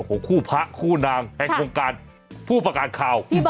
ผู้พระผู้นางแห่งโงการผู้ประกาศข่าว